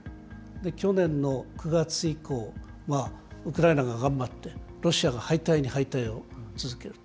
去年の９月以降は、ウクライナが頑張って、ロシアが敗退に敗退を続けると。